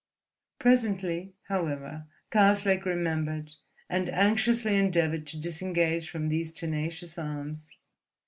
Presently, however, Karslake remembered, and anxiously endeavoured to disengage from these tenacious arms.